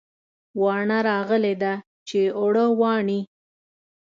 واڼه راغلې ده چې اوړه واڼي